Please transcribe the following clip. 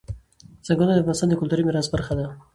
چنګلونه د افغانستان د کلتوري میراث برخه ده.